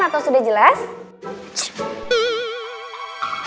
atau sudah jelaskan